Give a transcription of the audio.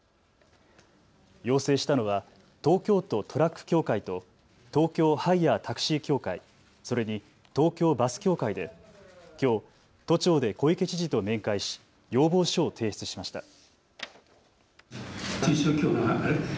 要請したのは東京都トラック協会と東京ハイヤー・タクシー協会、それに東京バス協会できょう、都庁で小池知事と面会し要望書を提出しました。